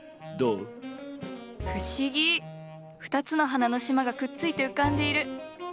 ２つの花の島がくっついて浮かんでいる。